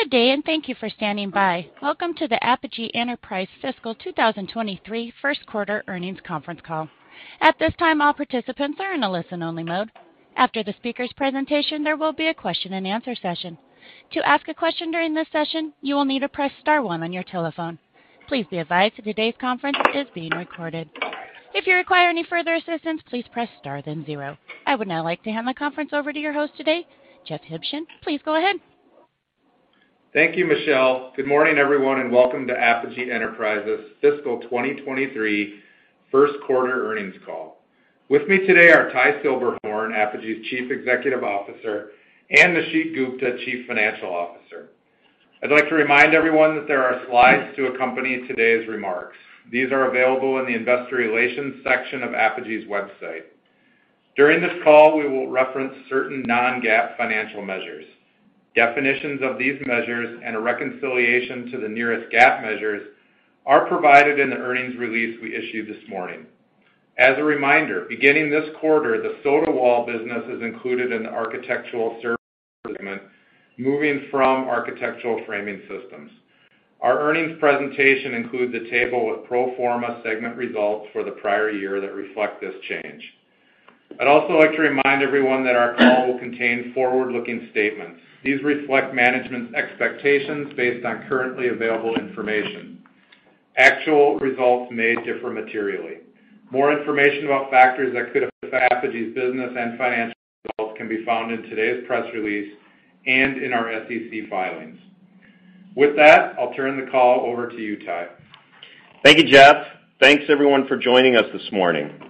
Good day, and thank you for standing by. Welcome to the Apogee Enterprises fiscal 2023 first quarter earnings conference call. At this time, all participants are in a listen-only mode. After the speaker's presentation, there will be a question-and-answer session. To ask a question during this session, you will need to press star one on your telephone. Please be advised that today's conference is being recorded. If you require any further assistance, please press star then zero. I would now like to hand the conference over to your host today, Jeff Huebschen. Please go ahead. Thank you, Michelle. Good morning, everyone, and welcome to Apogee Enterprises fiscal 2023 first quarter earnings call. With me today are Ty Silberhorn, Apogee's Chief Executive Officer, and Nisheet Gupta, Chief Financial Officer. I'd like to remind everyone that there are slides to accompany today's remarks. These are available in the Investor Relations section of Apogee's website. During this call, we will reference certain non-GAAP financial measures. Definitions of these measures and a reconciliation to the nearest GAAP measures are provided in the earnings release we issued this morning. As a reminder, beginning this quarter, the Sotawall business is included in the Architectural Services segment, moving from Architectural Framing Systems. Our earnings presentation includes a table with pro forma segment results for the prior year that reflect this change. I'd also like to remind everyone that our call will contain forward-looking statements. These reflect management's expectations based on currently available information. Actual results may differ materially. More information about factors that could affect Apogee's business and financial results can be found in today's press release and in our SEC filings. With that, I'll turn the call over to you, Ty. Thank you, Jeff. Thanks everyone for joining us this morning.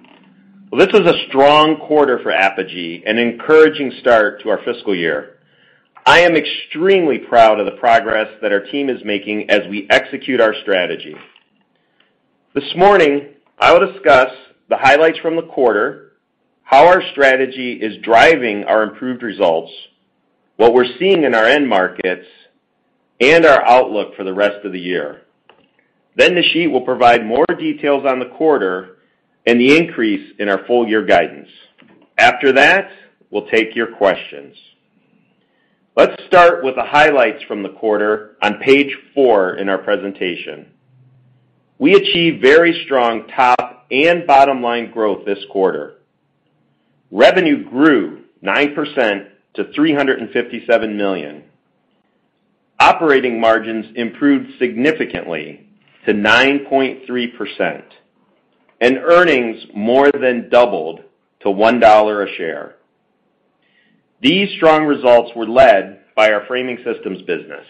This was a strong quarter for Apogee, an encouraging start to our fiscal year. I am extremely proud of the progress that our team is making as we execute our strategy. This morning, I'll discuss the highlights from the quarter, how our strategy is driving our improved results, what we're seeing in our end markets, and our outlook for the rest of the year. Then Nisheet will provide more details on the quarter and the increase in our full-year guidance. After that, we'll take your questions. Let's start with the highlights from the quarter on Page 4 in our presentation. We achieved very strong top and bottom-line growth this quarter. Revenue grew 9% to $357 million. Operating margins improved significantly to 9.3%, and earnings more than doubled to $1 a share. These strong results were led by our Framing Systems business.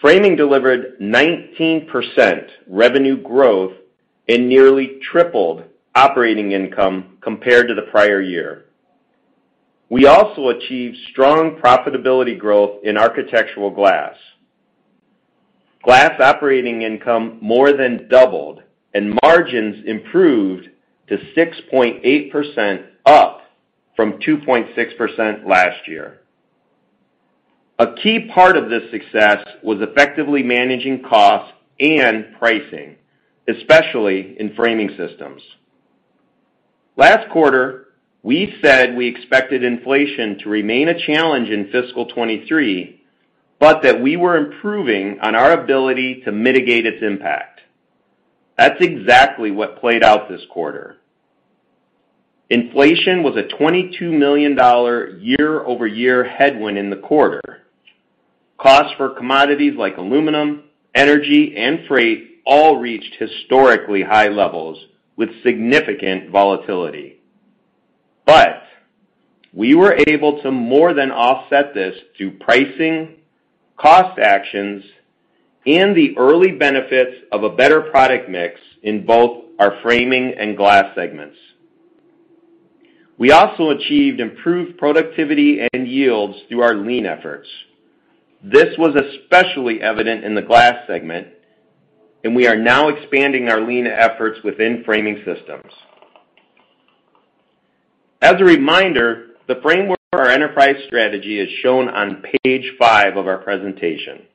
Framing delivered 19% revenue growth and nearly tripled operating income compared to the prior year. We also achieved strong profitability growth in Architectural Glass. Glass operating income more than doubled, and margins improved to 6.8%, up from 2.6% last year. A key part of this success was effectively managing costs and pricing, especially in Framing Systems. Last quarter, we said we expected inflation to remain a challenge in fiscal 2023, but that we were improving on our ability to mitigate its impact. That's exactly what played out this quarter. Inflation was a $22 million year-over-year headwind in the quarter. Costs for commodities like aluminum, energy, and freight all reached historically high levels with significant volatility. We were able to more than offset this through pricing, cost actions, and the early benefits of a better product mix in both our Framing and Glass segments. We also achieved improved productivity and yields through our lean efforts. This was especially evident in the Glass segment, and we are now expanding our lean efforts within Framing Systems. As a reminder, the framework for our enterprise strategy is shown on Page 5 of our presentation.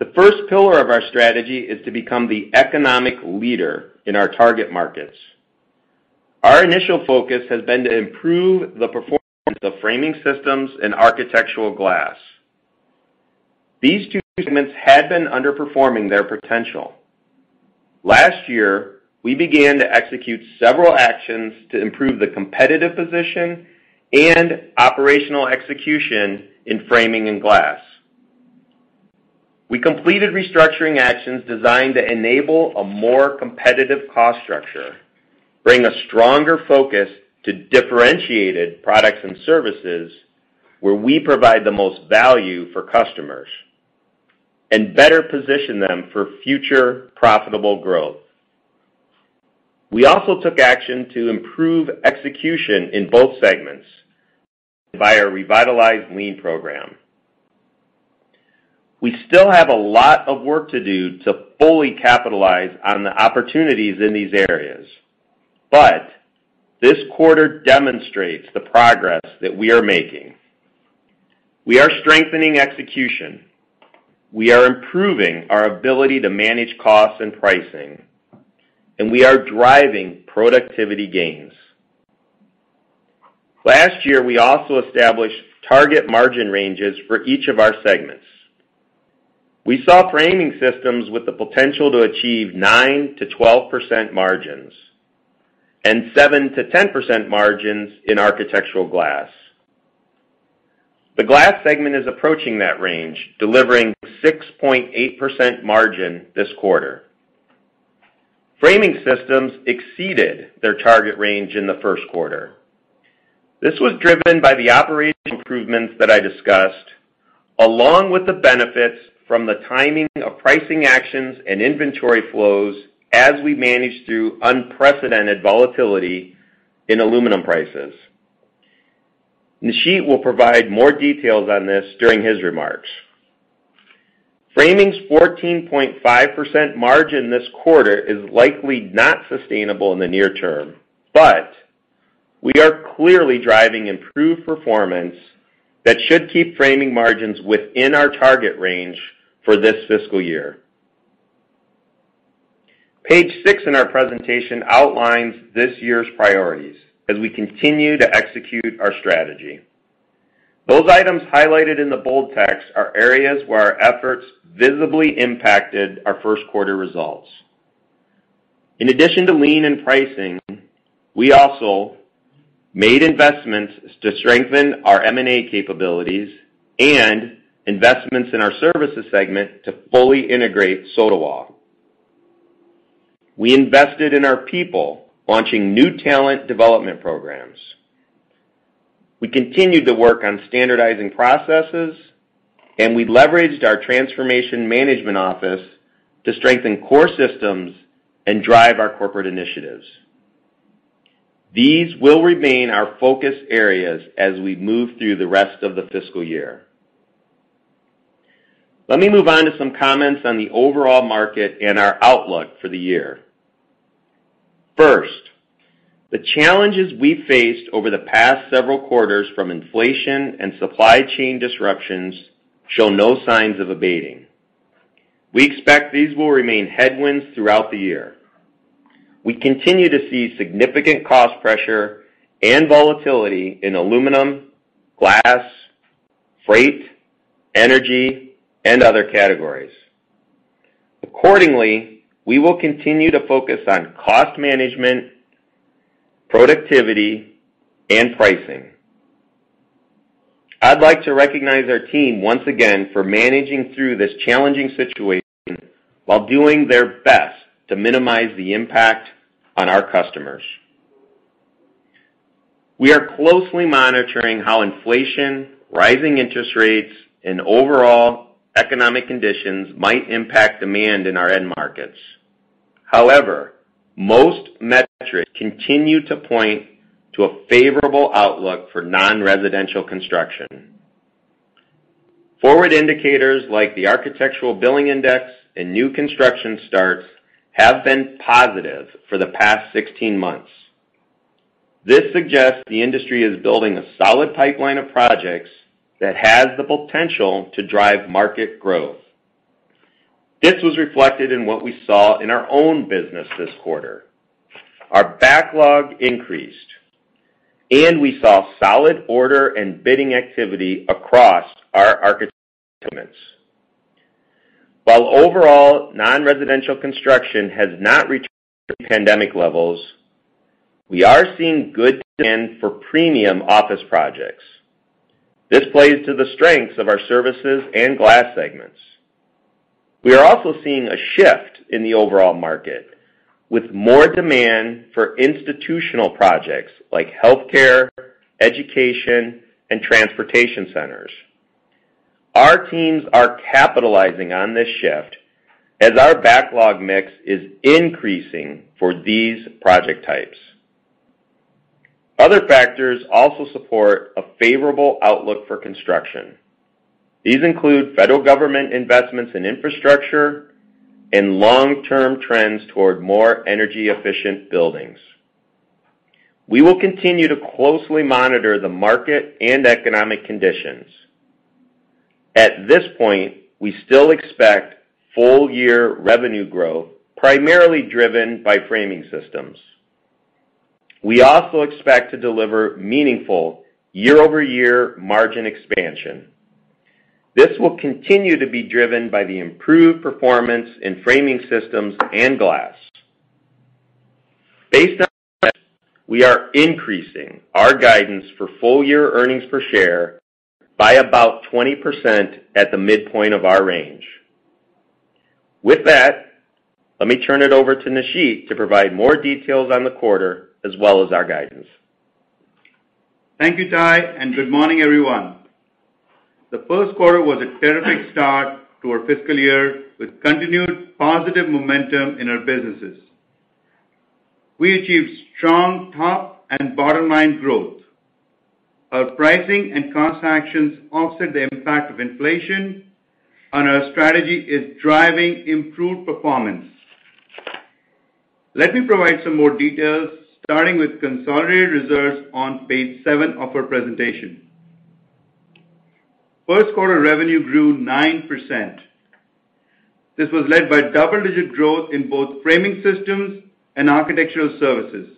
The first pillar of our strategy is to become the economic leader in our target markets. Our initial focus has been to improve the performance of Framing Systems and Architectural Glass. These two segments had been underperforming their potential. Last year, we began to execute several actions to improve the competitive position and operational execution in Framing and Glass. We completed restructuring actions designed to enable a more competitive cost structure, bring a stronger focus to differentiated products and services where we provide the most value for customers, and better position them for future profitable growth. We also took action to improve execution in both segments via our revitalized lean program. We still have a lot of work to do to fully capitalize on the opportunities in these areas, but this quarter demonstrates the progress that we are making. We are strengthening execution. We are improving our ability to manage costs and pricing. We are driving productivity gains. Last year, we also established target margin ranges for each of our segments. We saw Framing Systems with the potential to achieve 9%-12% margins and 7%-10% margins in Architectural Glass. The Glass segment is approaching that range, delivering 6.8% margin this quarter. Framing Systems exceeded their target range in the first quarter. This was driven by the operational improvements that I discussed, along with the benefits from the timing of pricing actions and inventory flows as we managed through unprecedented volatility in aluminum prices. Nisheet will provide more details on this during his remarks. Framing's 14.5% margin this quarter is likely not sustainable in the near term, but we are clearly driving improved performance that should keep framing margins within our target range for this fiscal year. Page 6 in our presentation outlines this year's priorities as we continue to execute our strategy. Those items highlighted in the bold text are areas where our efforts visibly impacted our first quarter results. In addition to lean and pricing, we also made investments to strengthen our M&A capabilities and investments in our Services segment to fully integrate Sotawall. We invested in our people, launching new talent development programs. We continued to work on standardizing processes, and we leveraged our transformation management office to strengthen core systems and drive our corporate initiatives. These will remain our focus areas as we move through the rest of the fiscal year. Let me move on to some comments on the overall market and our outlook for the year. First, the challenges we faced over the past several quarters from inflation and supply chain disruptions show no signs of abating. We expect these will remain headwinds throughout the year. We continue to see significant cost pressure and volatility in aluminum, glass, freight, energy, and other categories. Accordingly, we will continue to focus on cost management, productivity, and pricing. I'd like to recognize our team once again for managing through this challenging situation while doing their best to minimize the impact on our customers. We are closely monitoring how inflation, rising interest rates, and overall economic conditions might impact demand in our end markets. However, most metrics continue to point to a favorable outlook for non-residential construction. Forward indicators like the architectural billing index and new construction starts have been positive for the past 16 months. This suggests the industry is building a solid pipeline of projects that has the potential to drive market growth. This was reflected in what we saw in our own business this quarter. Our backlog increased, and we saw solid order and bidding activity across our [architectural segments]. While overall non-residential construction has not returned to pandemic levels, we are seeing good demand for premium office projects. This plays to the strengths of our Services and Glass segments. We are also seeing a shift in the overall market, with more demand for institutional projects like healthcare, education, and transportation centers. Our teams are capitalizing on this shift as our backlog mix is increasing for these project types. Other factors also support a favorable outlook for construction. These include federal government investments in infrastructure and long-term trends toward more energy-efficient buildings. We will continue to closely monitor the market and economic conditions. At this point, we still expect full-year revenue growth, primarily driven by Framing Systems. We also expect to deliver meaningful year-over-year margin expansion. This will continue to be driven by the improved performance in Framing Systems and Glass. Based on this, we are increasing our guidance for full year earnings per share by about 20% at the midpoint of our range. With that, let me turn it over to Nisheet to provide more details on the quarter as well as our guidance. Thank you, Ty, and good morning, everyone. The first quarter was a terrific start to our fiscal year with continued positive momentum in our businesses. We achieved strong top and bottom line growth. Our pricing and cost actions offset the impact of inflation, and our strategy is driving improved performance. Let me provide some more details, starting with consolidated results on Page 7 of our presentation. First quarter revenue grew 9%. This was led by double-digit growth in both Framing Systems and Architectural Services.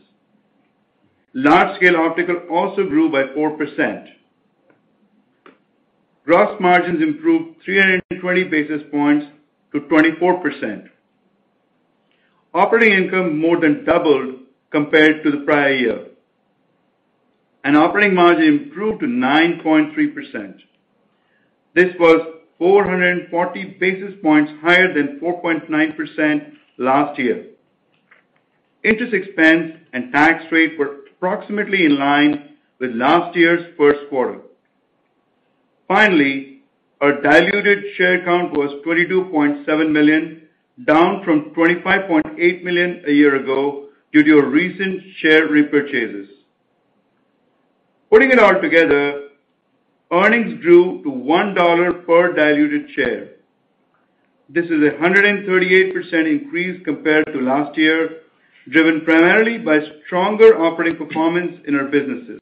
Large-Scale Optical also grew by 4%. Gross margins improved 320 basis points to 24%. Operating income more than doubled compared to the prior year. Operating margin improved to 9.3%. This was 440 basis points higher than 4.9% last year. Interest expense and tax rate were approximately in line with last year's first quarter. Our diluted share count was 22.7 million, down from 25.8 million a year ago due to our recent share repurchases. Putting it all together, earnings grew to $1 per diluted share. This is a 138% increase compared to last year, driven primarily by stronger operating performance in our businesses.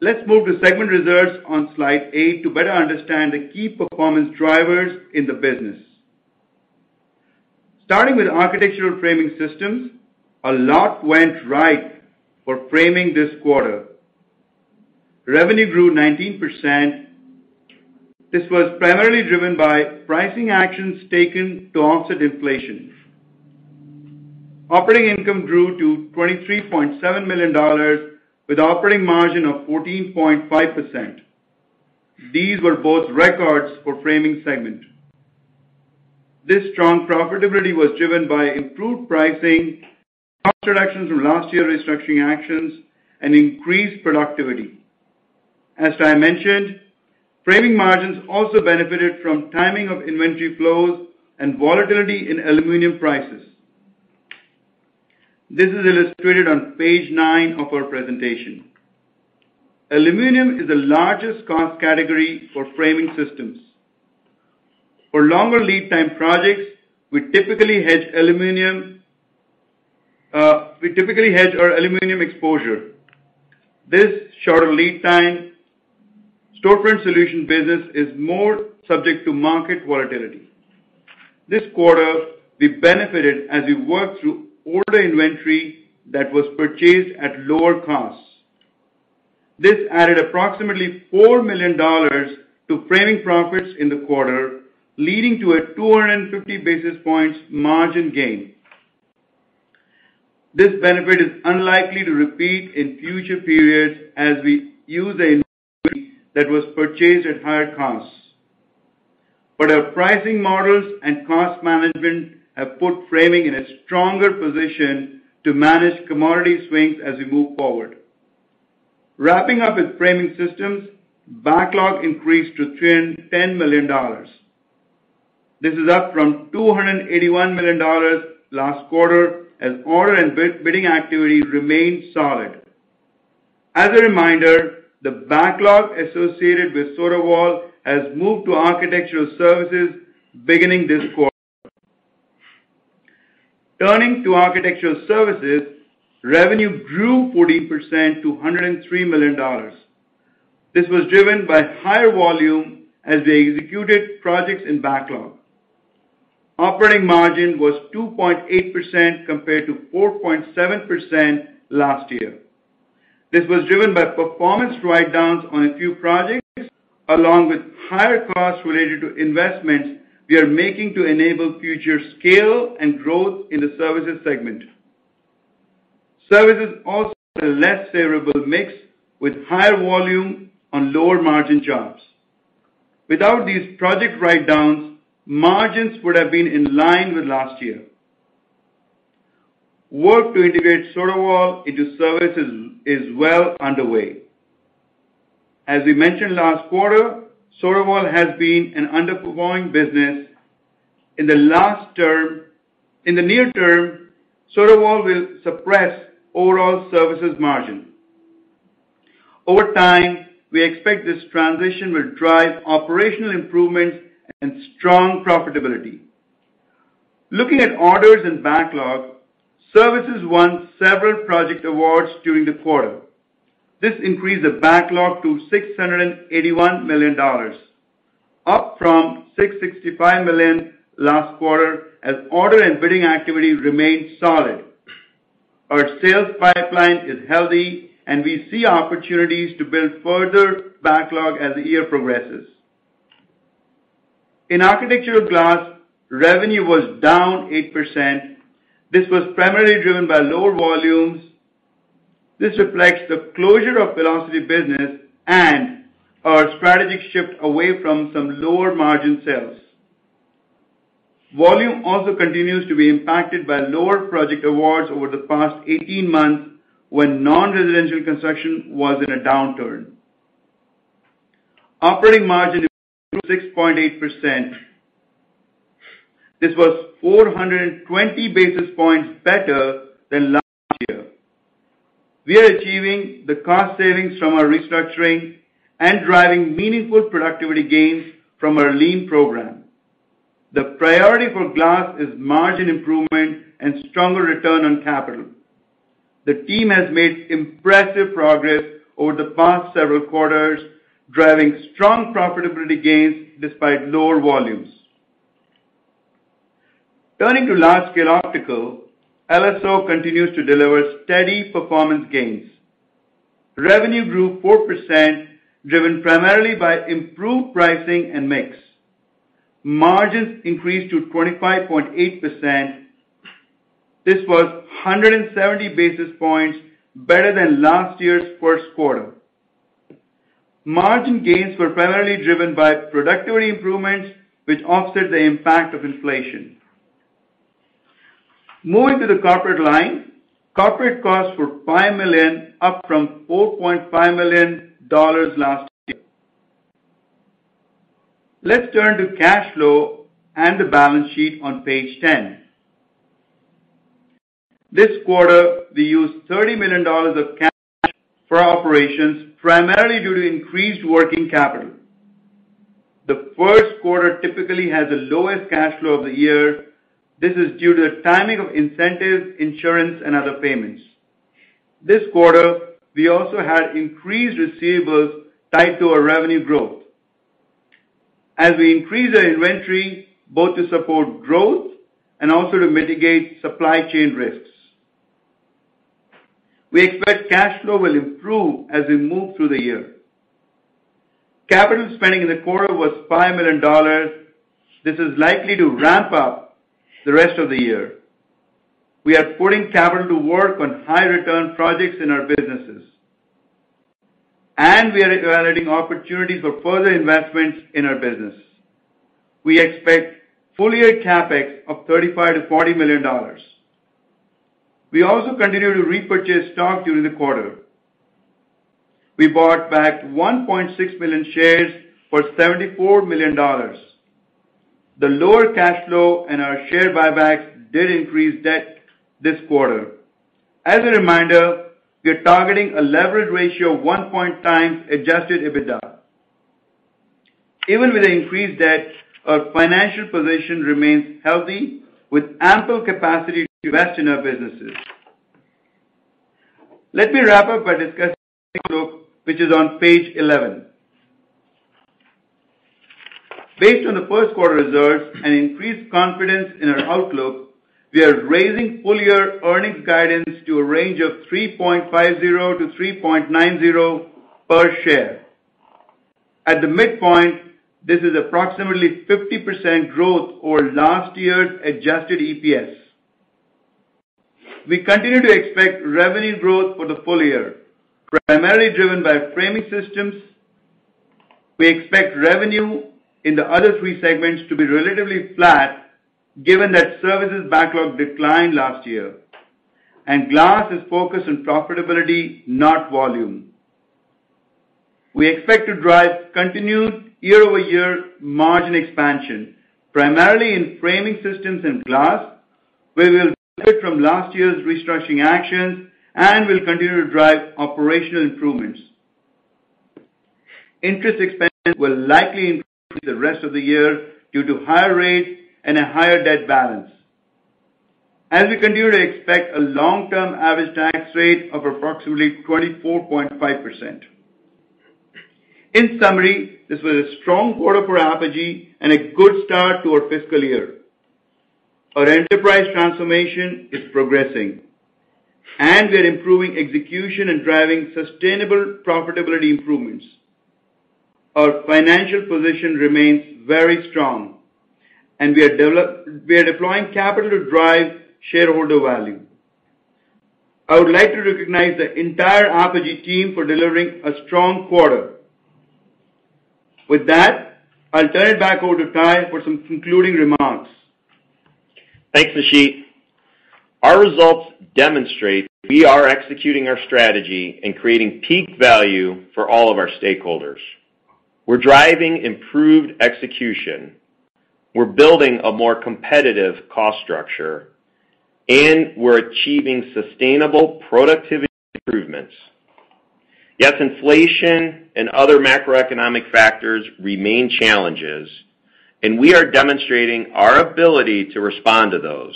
Let's move to segment results on Slide 8 to better understand the key performance drivers in the business. Starting with Architectural Framing Systems, a lot went right for framing this quarter. Revenue grew 19%. This was primarily driven by pricing actions taken to offset inflation. Operating income grew to $23.7 million with operating margin of 14.5%. These were both records for Framing segment. This strong profitability was driven by improved pricing, cost reductions from last year restructuring actions, and increased productivity. As I mentioned, Framing margins also benefited from timing of inventory flows and volatility in aluminum prices. This is illustrated on Page 9 of our presentation. Aluminum is the largest cost category for Framing Systems. For longer lead time projects, we typically hedge our aluminum exposure. This shorter lead time storefront solution business is more subject to market volatility. This quarter, we benefited as we worked through older inventory that was purchased at lower costs. This added approximately $4 million to Framing profits in the quarter, leading to a 250 basis points margin gain. This benefit is unlikely to repeat in future periods as we use the inventory that was purchased at higher costs. Our pricing models and cost management have put Framing in a stronger position to manage commodity swings as we move forward. Wrapping up with Framing Systems, backlog increased to $210 million. This is up from $281 million last quarter as order and bidding activity remained solid. As a reminder, the backlog associated with Sotawall has moved to Architectural Services beginning this quarter. Turning to Architectural Services, revenue grew 14% to $103 million. This was driven by higher volume as we executed projects in backlog. Operating margin was 2.8% compared to 4.7% last year. This was driven by performance write-downs on a few projects, along with higher costs related to investments we are making to enable future scale and growth in the Services segment. Services also had a less favorable mix with higher volume on lower margin jobs. Without these project write-downs, margins would have been in line with last year. Work to integrate Sotawall into services is well underway. As we mentioned last quarter, Sotawall has been an underperforming business. In the near term, Sotawall will suppress overall services margin. Over time, we expect this transition will drive operational improvements and strong profitability. Looking at orders and backlog, services won several project awards during the quarter. This increased the backlog to $681 million, up from $665 million last quarter as order and bidding activity remained solid. Our sales pipeline is healthy, and we see opportunities to build further backlog as the year progresses. In Architectural Glass, revenue was down 8%. This was primarily driven by lower volumes. This reflects the closure of Velocity business and our strategic shift away from some lower margin sales. Volume also continues to be impacted by lower project awards over the past 18 months, when non-residential construction was in a downturn. Operating margin improved to 6.8%. This was 420 basis points better than last year. We are achieving the cost savings from our restructuring and driving meaningful productivity gains from our lean program. The priority for Glass is margin improvement and stronger return on capital. The team has made impressive progress over the past several quarters, driving strong profitability gains despite lower volumes. Turning to Large-Scale Optical, LSO continues to deliver steady performance gains. Revenue grew 4%, driven primarily by improved pricing and mix. Margins increased to 25.8%. This was 170 basis points better than last year's first quarter. Margin gains were primarily driven by productivity improvements, which offset the impact of inflation. Moving to the corporate line. Corporate costs were $5 million, up from $4.5 million last year. Let's turn to cash flow and the balance sheet on Page 10. This quarter, we used $30 million of cash for operations, primarily due to increased working capital. The first quarter typically has the lowest cash flow of the year. This is due to the timing of incentives, insurance, and other payments. This quarter, we also had increased receivables tied to our revenue growth. As we increase our inventory, both to support growth and also to mitigate supply chain risks. We expect cash flow will improve as we move through the year. Capital spending in the quarter was $5 million. This is likely to ramp up the rest of the year. We are putting capital to work on high return projects in our businesses, and we are evaluating opportunities for further investments in our business. We expect full-year CapEx of $35 million-$40 million. We also continue to repurchase stock during the quarter. We bought back 1.6 million shares for $74 million. The lower cash flow and our share buybacks did increase debt this quarter. As a reminder, we are targeting a leverage ratio of 1.0x adjusted EBITDA. Even with the increased debt, our financial position remains healthy, with ample capacity to invest in our businesses. Let me wrap up by discussing the group, which is on Page 11. Based on the first quarter results and increased confidence in our outlook, we are raising full-year earnings guidance to a range of $3.50-$3.90 per share. At the midpoint, this is approximately 50% growth over last year's adjusted EPS. We continue to expect revenue growth for the full year, primarily driven by Framing Systems. We expect revenue in the other three segments to be relatively flat, given that Services backlog declined last year, and Glass is focused on profitability, not volume. We expect to drive continued year-over-year margin expansion, primarily in Framing Systems and Glass, where we will benefit from last year's restructuring actions and will continue to drive operational improvements. Interest expenses will likely increase the rest of the year due to higher rates and a higher debt balance. As we continue to expect a long-term average tax rate of approximately 24.5%. In summary, this was a strong quarter for Apogee and a good start to our fiscal year. Our enterprise transformation is progressing, and we are improving execution and driving sustainable profitability improvements. Our financial position remains very strong, and we are deploying capital to drive shareholder value. I would like to recognize the entire Apogee team for delivering a strong quarter. With that, I'll turn it back over to Ty for some concluding remarks. Thanks, Nisheet. Our results demonstrate we are executing our strategy and creating peak value for all of our stakeholders. We're driving improved execution, we're building a more competitive cost structure, and we're achieving sustainable productivity improvements. Yes, inflation and other macroeconomic factors remain challenges, and we are demonstrating our ability to respond to those.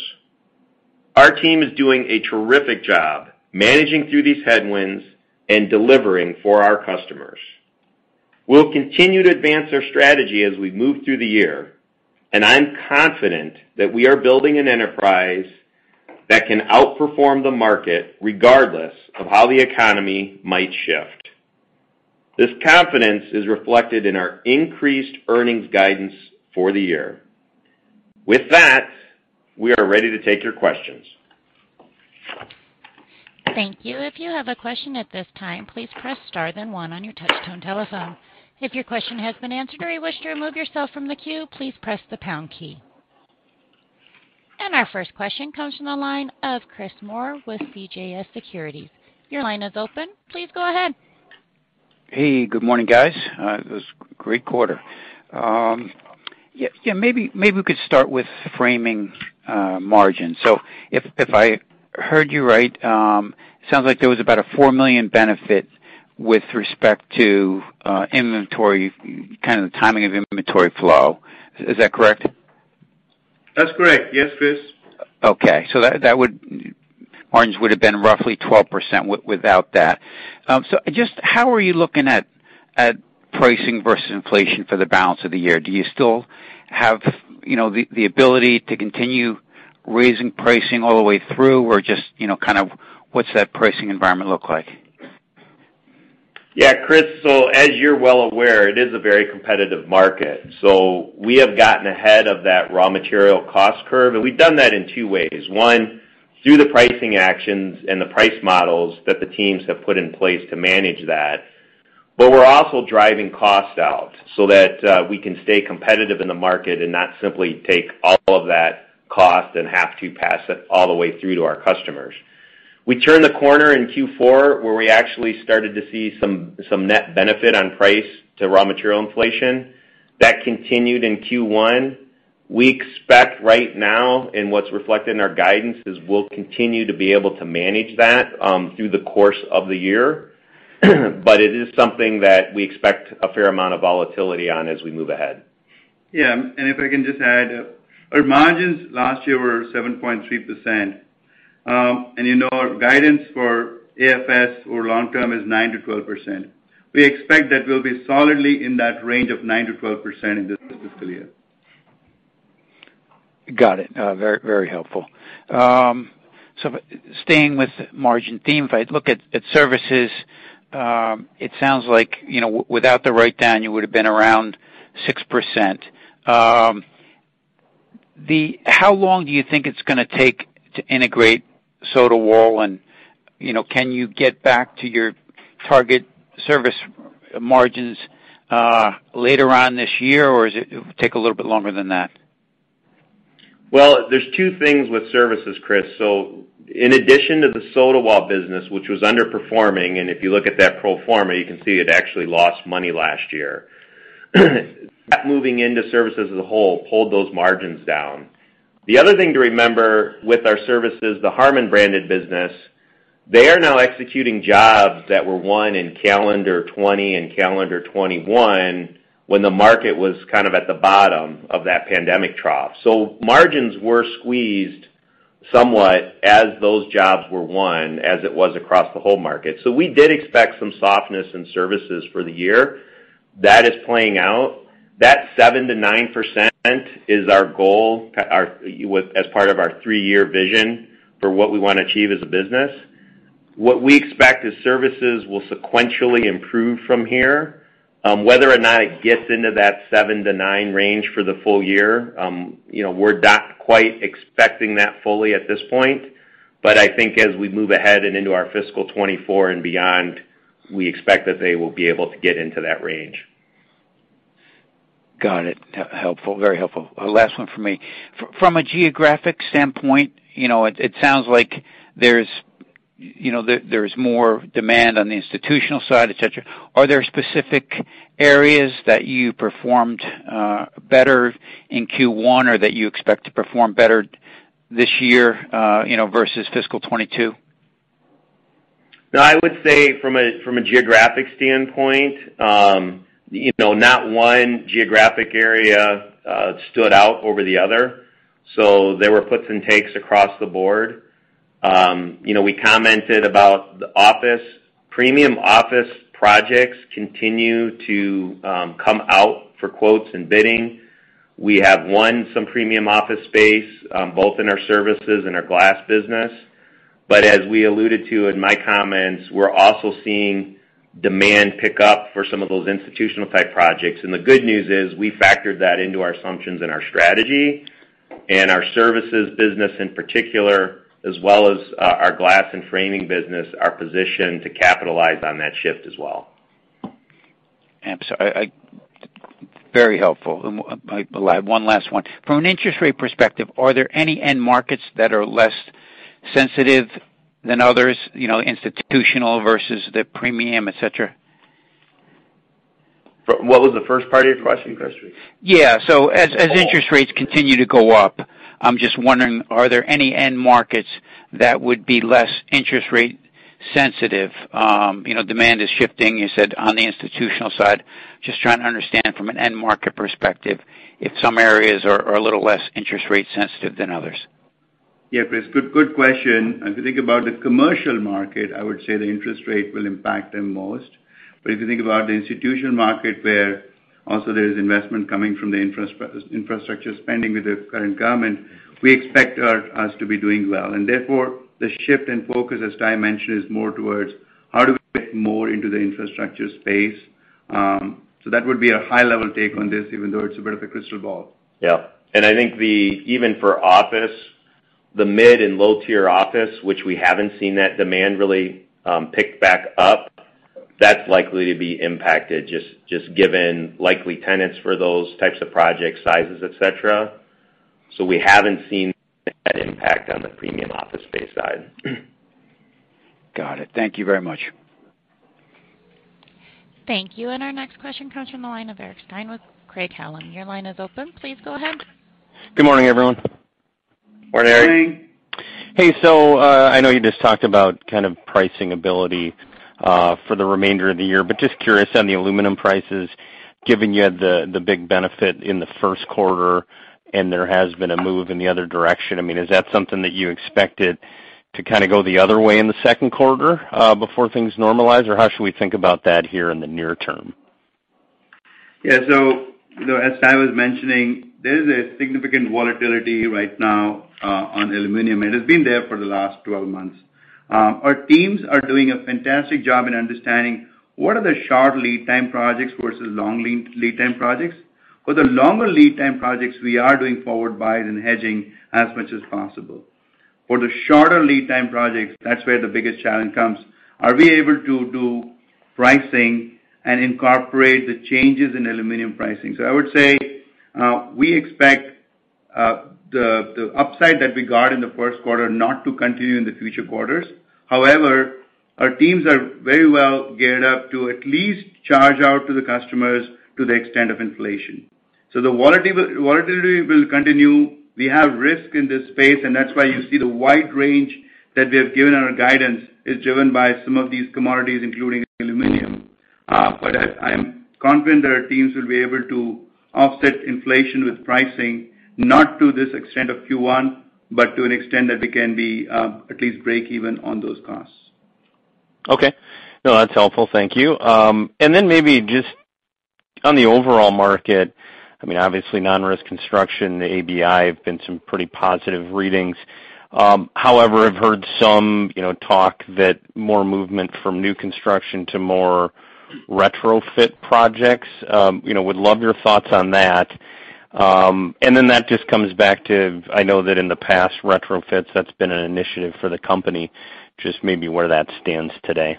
Our team is doing a terrific job managing through these headwinds and delivering for our customers. We'll continue to advance our strategy as we move through the year, and I'm confident that we are building an enterprise that can outperform the market regardless of how the economy might shift. This confidence is reflected in our increased earnings guidance for the year. With that, we are ready to take your questions. Thank you. If you have a question at this time, please press star then one on your touch-tone telephone. If your question has been answered or you wish to remove yourself from the queue, please press the pound key. Our first question comes from the line of Chris Moore with CJS Securities. Your line is open. Please go ahead. Hey, good morning, guys. It was great quarter. Maybe we could start with Framing margin. If I heard you right. Sounds like there was about a $4 million benefit with respect to inventory, kind of the timing of inventory flow. Is that correct? That's correct. Yes, Chris. Margins would have been roughly 12% without that. Just how are you looking at pricing versus inflation for the balance of the year? Do you still have, you know, the ability to continue raising pricing all the way through or just, you know, kind of what's that pricing environment look like? Yeah, Chris. As you're well aware, it is a very competitive market. We have gotten ahead of that raw material cost curve, and we've done that in two ways. One, through the pricing actions and the price models that the teams have put in place to manage that. We're also driving costs out so that we can stay competitive in the market and not simply take all of that cost and have to pass it all the way through to our customers. We turned the corner in Q4, where we actually started to see some net benefit on price to raw material inflation. That continued in Q1. We expect right now, and what's reflected in our guidance, is we'll continue to be able to manage that through the course of the year. It is something that we expect a fair amount of volatility on as we move ahead. Yeah. If I can just add, our margins last year were 7.3%. You know, our guidance for AFS over long term is 9%-12%. We expect that we'll be solidly in that range of 9%-12% in this fiscal year. Got it. Very, very helpful. So staying with margin theme, if I look at Services, it sounds like, you know, without the write-down, you would've been around 6%. How long do you think it's gonna take to integrate Sotawall and, you know, can you get back to your target Service margins later on this year, or is it take a little bit longer than that? Well, there's two things with Services, Chris. In addition to the Sotawall business, which was underperforming, and if you look at that pro forma, you can see it actually lost money last year. That moving into Services as a whole pulled those margins down. The other thing to remember with our services, the Harmon branded business, they are now executing jobs that were won in calendar 2020 and calendar 2021 when the market was kind of at the bottom of that pandemic trough. Margins were squeezed somewhat as those jobs were won as it was across the whole market. We did expect some softness in services for the year. That is playing out. That 7%-9% is our goal as part of our three-year vision for what we wanna achieve as a business. What we expect is services will sequentially improve from here. Whether or not it gets into that 7%-9% range for the full year, you know, we're not quite expecting that fully at this point. I think as we move ahead and into our fiscal 2024 and beyond, we expect that they will be able to get into that range. Got it. Helpful. Very helpful. Last one from me. From a geographic standpoint, you know, it sounds like there's more demand on the institutional side, et cetera. Are there specific areas that you performed better in Q1 or that you expect to perform better this year, you know, versus fiscal 2022? No, I would say from a geographic standpoint, you know, not one geographic area stood out over the other. There were puts and takes across the board. You know, we commented about the office. Premium office projects continue to come out for quotes and bidding. We have won some premium office space, both in our Services and our Glass business. As we alluded to in my comments, we're also seeing demand pick up for some of those institutional type projects. The good news is we factored that into our assumptions and our strategy and our services business in particular, as well as our Glass and Framing business are positioned to capitalize on that shift as well. I'm sorry. Very helpful. I have one last one. From an interest rate perspective, are there any end markets that are less sensitive than others, you know, institutional versus the premium, et cetera? What was the first part of your question, Chris? Yeah. As interest rates continue to go up, I'm just wondering, are there any end markets that would be less interest rate sensitive? You know, demand is shifting, you said on the institutional side. Just trying to understand from an end market perspective if some areas are a little less interest rate sensitive than others. Yeah, Chris, good question. If you think about the commercial market, I would say the interest rate will impact them most. If you think about the institution market where also there is investment coming from the infrastructure spending with the current government, we expect us to be doing well. Therefore, the shift in focus, as Ty mentioned, is more towards how do we fit more into the infrastructure space. That would be a high level take on this, even though it's a bit of a crystal ball. Yeah. I think even for office, the mid and low-tier office, which we haven't seen that demand really pick back up, that's likely to be impacted just given likely tenants for those types of project sizes, et cetera. We haven't seen that impact on the premium office space side. Got it. Thank you very much. Thank you. Our next question comes from the line of Eric Stine with Craig-Hallum. Your line is open. Please go ahead. Good morning, everyone. Morning, Eric. Hey, I know you just talked about kind of pricing ability for the remainder of the year, but just curious on the aluminum prices, given you had the big benefit in the first quarter, and there has been a move in the other direction. I mean, is that something that you expected to kind of go the other way in the second quarter before things normalize? Or how should we think about that here in the near term? Yeah. As Ty was mentioning, there is a significant volatility right now on aluminum. It has been there for the last 12 months. Our teams are doing a fantastic job in understanding what are the short lead time projects versus long lead time projects. For the longer lead time projects, we are doing forward buys and hedging as much as possible. For the shorter lead time projects, that's where the biggest challenge comes. Are we able to do pricing and incorporate the changes in aluminum pricing? I would say we expect the upside that we got in the first quarter not to continue in the future quarters. However, our teams are very well geared up to at least charge out to the customers to the extent of inflation. The volatility will continue. We have risk in this space, and that's why you see the wide range that we have given our guidance is driven by some of these commodities, including aluminum. I am confident that our teams will be able to offset inflation with pricing, not to this extent of Q1, but to an extent that we can be at least break even on those costs. Okay. No, that's helpful. Thank you. Maybe just on the overall market, I mean, obviously, nonresidential construction, the ABI has been some pretty positive readings. However, I've heard some, you know, talk that more movement from new construction to more retrofit projects, you know, would love your thoughts on that. That just comes back to, I know that in the past retrofits, that's been an initiative for the company, just maybe where that stands today.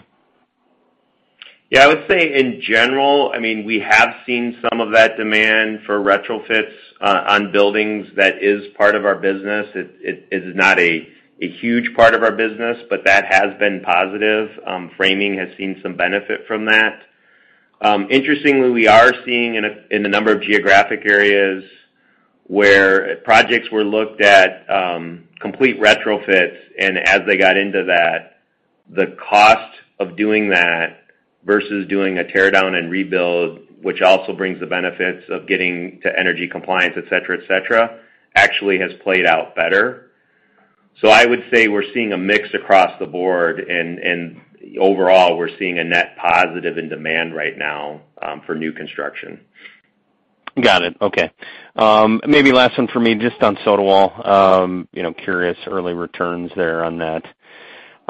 Yeah, I would say in general, I mean, we have seen some of that demand for retrofits on buildings that is part of our business. It is not a huge part of our business, but that has been positive. Framing has seen some benefit from that. Interestingly, we are seeing in a number of geographic areas where projects were looked at complete retrofits, and as they got into that, the cost of doing that versus doing a tear down and rebuild, which also brings the benefits of getting to energy compliance, et cetera, actually has played out better. I would say we're seeing a mix across the board, and overall, we're seeing a net positive in demand right now for new construction. Got it. Okay. Maybe last one for me, just on Sotawall. You know, curious early returns there on that.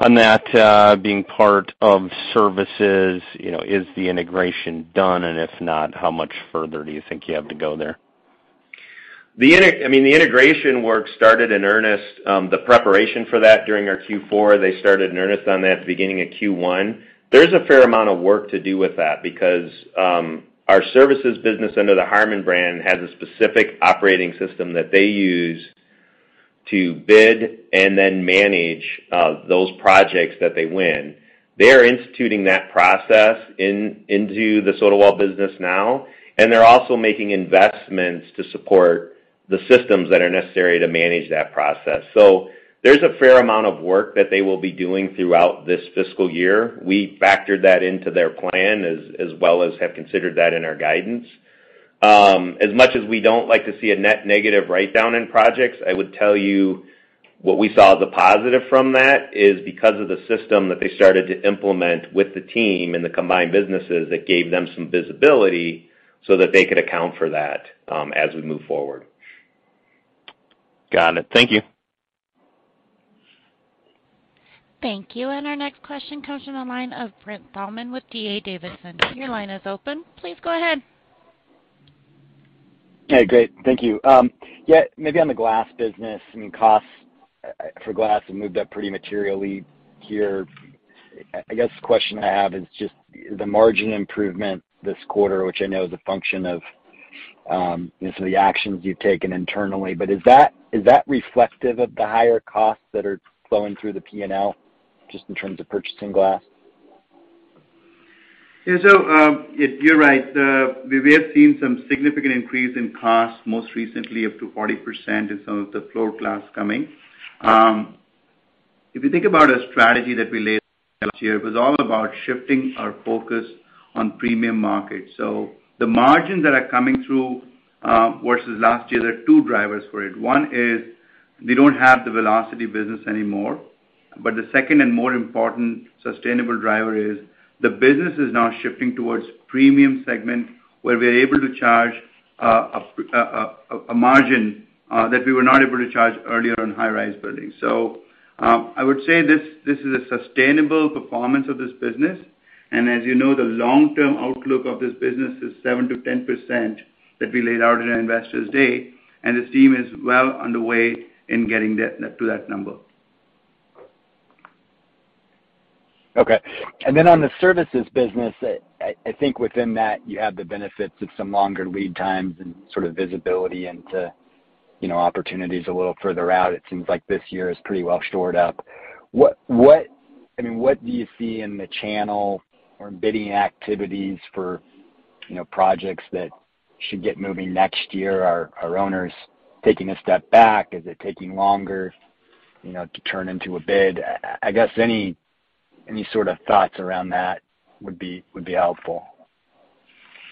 On that, being part of Services, you know, is the integration done? If not, how much further do you think you have to go there? The integration work started in earnest, the preparation for that during our Q4. They started in earnest on that at the beginning of Q1. There's a fair amount of work to do with that because our Services business under the Harmon brand has a specific operating system that they use to bid and then manage those projects that they win. They are instituting that process into the Sotawall business now, and they're also making investments to support the systems that are necessary to manage that process. There's a fair amount of work that they will be doing throughout this fiscal year. We factored that into their plan as well as have considered that in our guidance. As much as we don't like to see a net negative write-down in projects, I would tell you what we saw as a positive from that is because of the system that they started to implement with the team and the combined businesses that gave them some visibility so that they could account for that, as we move forward. Got it. Thank you. Thank you. Our next question comes from the line of Brent Thielman with D.A. Davidson. Your line is open. Please go ahead. Hey, great. Thank you. Yeah, maybe on the Glass business and costs for glass have moved up pretty materially here. I guess the question I have is just the margin improvement this quarter, which I know is a function of you know, some of the actions you've taken internally, but is that reflective of the higher costs that are flowing through the P&L just in terms of purchasing glass? Yeah, you're right. We have seen some significant increase in costs, most recently up to 40% in some of the float glass coming. If you think about a strategy that we laid out last year, it was all about shifting our focus on premium markets. The margins that are coming through versus last year, there are two drivers for it. One is we don't have the Velocity business anymore. The second and more important sustainable driver is the business is now shifting towards premium segment, where we're able to charge a margin that we were not able to charge earlier on high-rise buildings. I would say this is a sustainable performance of this business. As you know, the long-term outlook of this business is 7%-10% that we laid out in our Investor Day, and this team is well on the way to getting to that number. Okay. Then on the Services business, I think within that you have the benefits of some longer lead times and sort of visibility into, you know, opportunities a little further out. It seems like this year is pretty well stored up. I mean, what do you see in the channel or bidding activities for, you know, projects that should get moving next year? Are owners taking a step back? Is it taking longer, you know, to turn into a bid? I guess any sort of thoughts around that would be helpful.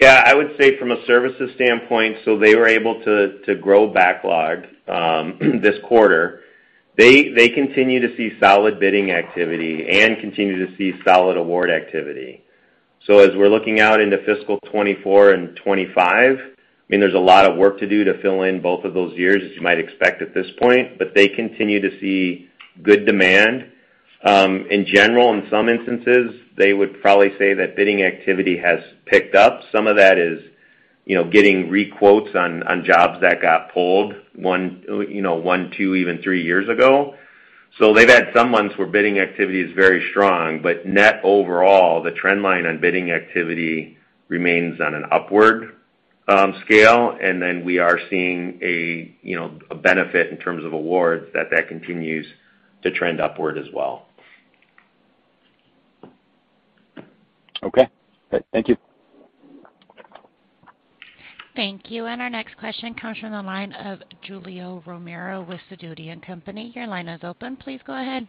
Yeah, I would say from a Services standpoint, so they were able to grow backlog this quarter. They continue to see solid bidding activity and continue to see solid award activity. As we're looking out into fiscal 2024 and 2025, I mean, there's a lot of work to do to fill in both of those years, as you might expect at this point. They continue to see good demand. In general, in some instances, they would probably say that bidding activity has picked up. Some of that is, you know, getting re-quotes on jobs that got pulled one, you know, two, even three years ago. They've had some months where bidding activity is very strong, but net overall, the trend line on bidding activity remains on an upward scale. We are seeing a, you know, a benefit in terms of awards that continues to trend upward as well. Okay. Thank you. Thank you. Our next question comes from the line of Julio Romero with Sidoti & Company. Your line is open. Please go ahead.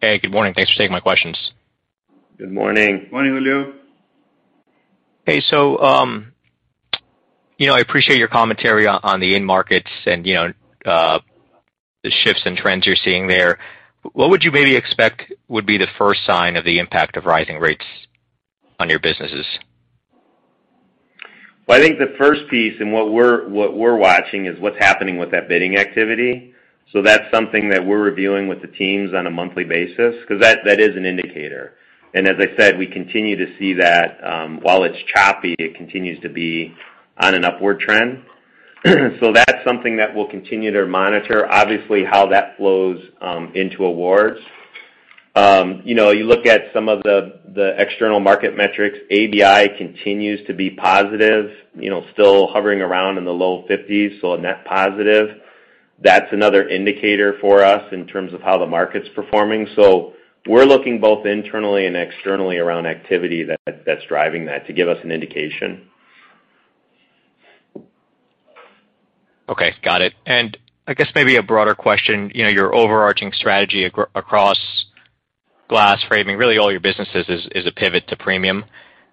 Hey, good morning. Thanks for taking my questions. Good morning. Morning, Julio. Hey, you know, I appreciate your commentary on the end markets and, you know, the shifts and trends you're seeing there. What would you maybe expect would be the first sign of the impact of rising rates on your businesses? Well, I think the first piece and what we're watching is what's happening with that bidding activity. That's something that we're reviewing with the teams on a monthly basis because that is an indicator. As I said, we continue to see that, while it's choppy, it continues to be on an upward trend. That's something that we'll continue to monitor. Obviously, how that flows into awards. You know, you look at some of the external market metrics. ABI continues to be positive, you know, still hovering around in the low 50s, so a net positive. That's another indicator for us in terms of how the market's performing. We're looking both internally and externally around activity that's driving that to give us an indication. Okay, got it. I guess maybe a broader question, you know, your overarching strategy across glass framing, really all your businesses is a pivot to premium.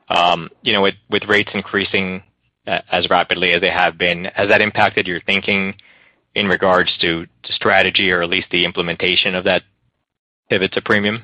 You know, with rates increasing as rapidly as they have been, has that impacted your thinking in regards to strategy or at least the implementation of that pivot to premium?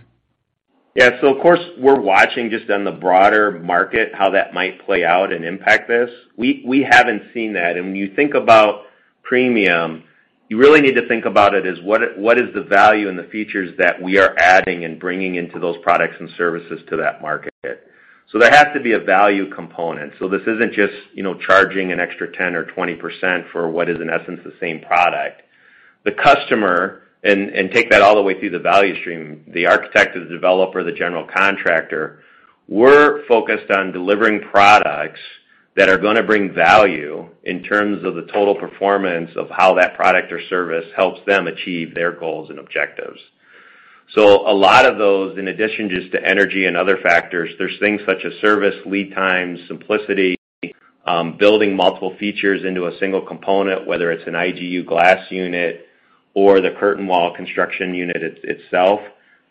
Yeah. Of course, we're watching just on the broader market how that might play out and impact this. We haven't seen that. When you think about premium, you really need to think about it as what is the value and the features that we are adding and bringing into those products and services to that market. There has to be a value component. This isn't just, you know, charging an extra 10% or 20% for what is in essence the same product. The customer and take that all the way through the value stream, the architect, the developer, the general contractor, we're focused on delivering products that are gonna bring value in terms of the total performance of how that product or service helps them achieve their goals and objectives. A lot of those, in addition just to energy and other factors, there's things such as service, lead times, simplicity, building multiple features into a single component, whether it's an IGU glass unit or the curtain wall construction unit itself.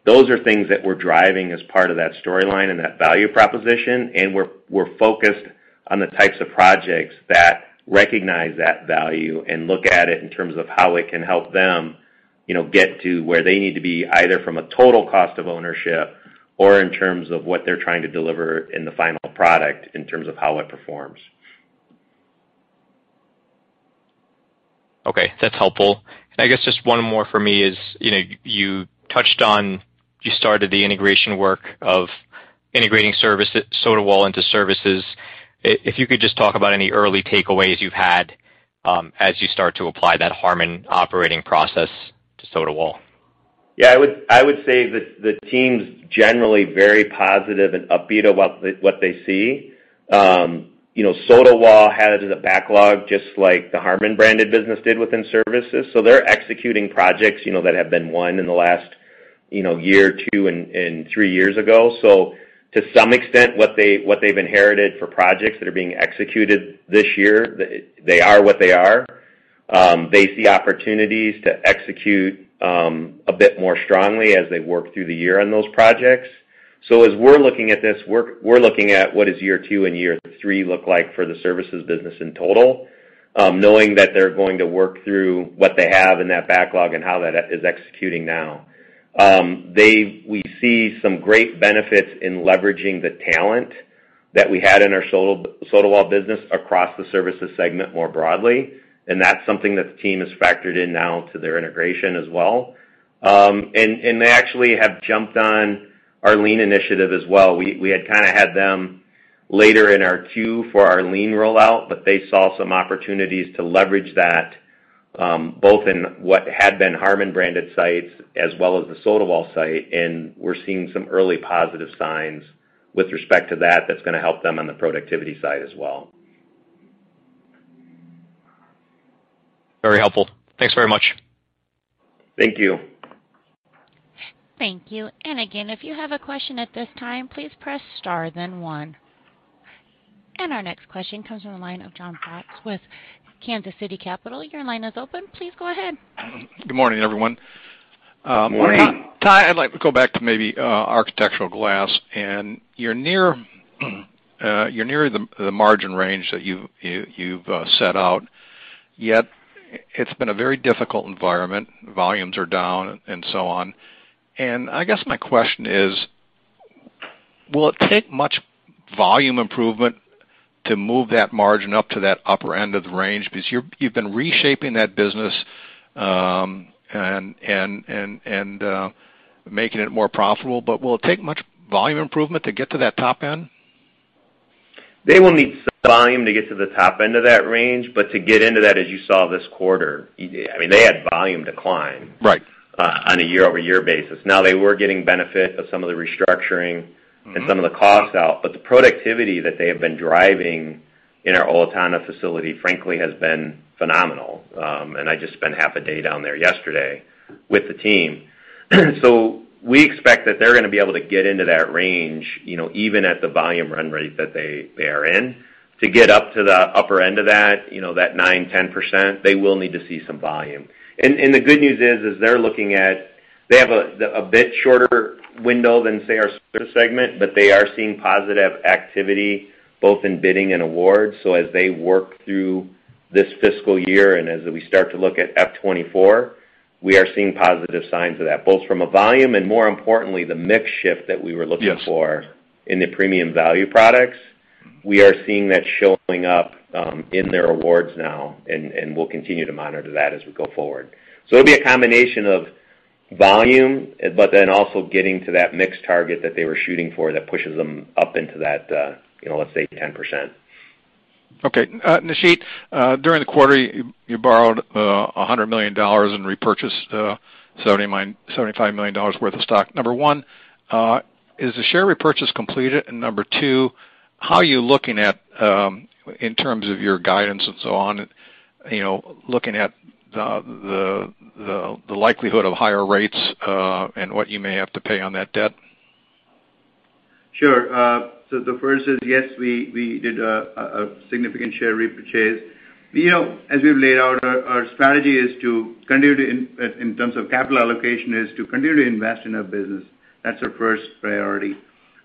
Those are things that we're driving as part of that storyline and that value proposition, and we're focused on the types of projects that recognize that value and look at it in terms of how it can help them, you know, get to where they need to be, either from a total cost of ownership or in terms of what they're trying to deliver in the final product in terms of how it performs. Okay, that's helpful. I guess just one more for me is, you know, you touched on, you started the integration work of integrating Sotawall into Services. If you could just talk about any early takeaways you've had, as you start to apply that Harmon operating process to Sotawall. Yeah, I would say the team's generally very positive and upbeat about what they see. You know, Sotawall has a backlog just like the Harmon branded business did within Services. They're executing projects, you know, that have been won in the last, you know, year or two and three years ago. To some extent, what they've inherited for projects that are being executed this year, they are what they are. They see opportunities to execute a bit more strongly as they work through the year on those projects. As we're looking at this, we're looking at what does year two and year three look like for the Services business in total, knowing that they're going to work through what they have in that backlog and how that is executing now. We see some great benefits in leveraging the talent that we had in our Sotawall business across the Services segment more broadly, and that's something that the team has factored in now to their integration as well. And they actually have jumped on our lean initiative as well. We had kind of had them later in our queue for our lean rollout, but they saw some opportunities to leverage that, both in what had been Harmon branded sites as well as the Sotawall site, and we're seeing some early positive signs with respect to that's gonna help them on the productivity side as well. Very helpful. Thanks very much. Thank you. Thank you. Again, if you have a question at this time, please press star then one. Our next question comes from the line of Jon Braatz with Kansas City Capital. Your line is open. Please go ahead. Good morning, everyone. Morning. Ty, I'd like to go back to maybe Architectural Glass, and you're near the margin range that you've set out, yet it's been a very difficult environment. Volumes are down and so on. I guess my question is, will it take much volume improvement to move that margin up to that upper end of the range? Because you've been reshaping that business, and making it more profitable, but will it take much volume improvement to get to that top end? They will need some volume to get to the top end of that range. To get into that, as you saw this quarter, I mean, they had volume decline. Right On a year-over-year basis. Now, they were getting benefit of some of the restructuring. Some of the costs out, but the productivity that they have been driving in our Owatonna facility, frankly, has been phenomenal. I just spent half a day down there yesterday with the team. We expect that they're gonna be able to get into that range, you know, even at the volume run rate that they are in. To get up to the upper end of that, you know, that 9%-10%, they will need to see some volume. The good news is they have a bit shorter window than, say, our segment, but they are seeing positive activity both in bidding and awards. As they work through this fiscal year, and as we start to look at FY 2024, we are seeing positive signs of that, both from a volume and more importantly, the mix shift that we were looking for. Yes In the premium value products. We are seeing that showing up in their awards now, and we'll continue to monitor that as we go forward. It'll be a combination of volume, but then also getting to that mix target that they were shooting for that pushes them up into that, you know, let's say 10%. Okay. Nisheet, during the quarter, you borrowed $100 million and repurchased $75 million worth of stock. Number one, is the share repurchase completed? Number two, how are you looking at, in terms of your guidance and so on, you know, looking at the likelihood of higher rates, and what you may have to pay on that debt? Sure. So the first is, yes, we did a significant share repurchase. You know, as we've laid out, our strategy is to continue to in terms of capital allocation, is to continue to invest in our business. That's our first priority.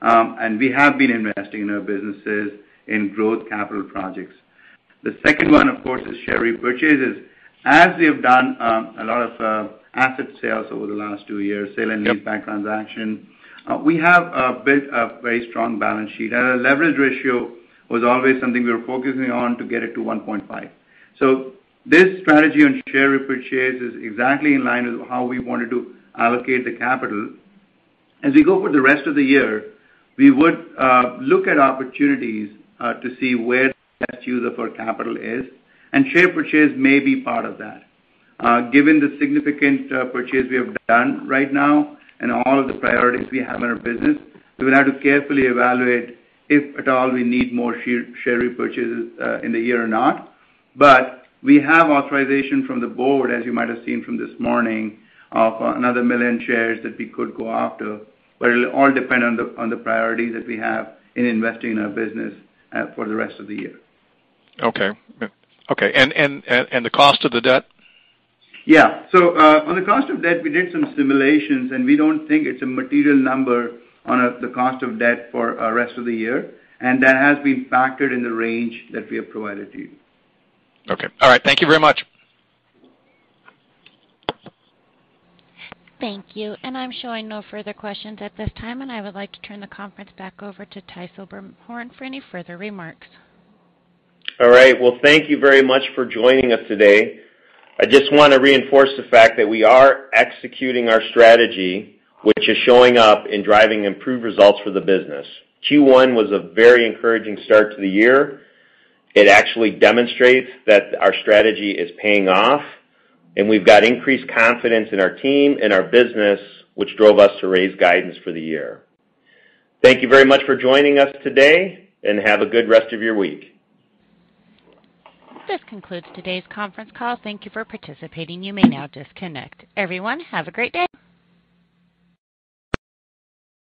We have been investing in our businesses in growth capital projects. The second one, of course, is share repurchases. As we have done, a lot of asset sales over the last two years, sale and leaseback transaction. We have built a very strong balance sheet. Our leverage ratio was always something we were focusing on to get it to 1.5x. This strategy on share repurchases is exactly in line with how we wanted to allocate the capital. As we go for the rest of the year, we would look at opportunities to see where best use of our capital is, and share purchase may be part of that. Given the significant purchase we have done right now and all of the priorities we have in our business, we will have to carefully evaluate if at all we need more share repurchases in the year or not. We have authorization from the Board, as you might have seen from this morning, of another million shares that we could go after, but it'll all depend on the priorities that we have in investing in our business, for the rest of the year. Okay. The cost of the debt? Yeah. On the cost of debt, we did some simulations, and we don't think it's a material number on the cost of debt for rest of the year, and that has been factored in the range that we have provided to you. Okay. All right. Thank you very much. Thank you. I'm showing no further questions at this time, and I would like to turn the conference back over to Ty Silberhorn for any further remarks. All right. Well, thank you very much for joining us today. I just wanna reinforce the fact that we are executing our strategy, which is showing up and driving improved results for the business. Q1 was a very encouraging start to the year. It actually demonstrates that our strategy is paying off, and we've got increased confidence in our team and our business, which drove us to raise guidance for the year. Thank you very much for joining us today, and have a good rest of your week. This concludes today's conference call. Thank you for participating. You may now disconnect. Everyone, have a great day.